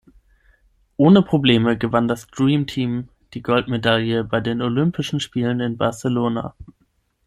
Ohne Probleme gewann das Dream Team die Goldmedaille bei den Olympischen Spielen in Barcelona.